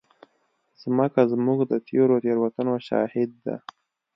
مځکه زموږ د تېرو تېروتنو شاهد ده.